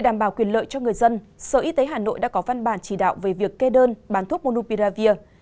đảm bảo quyền lợi cho người dân sở y tế hà nội đã có văn bản chỉ đạo về việc kê đơn bán thuốc munupiravir